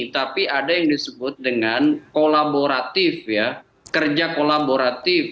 tapi ada yang disebut dengan kolaboratif ya kerja kolaboratif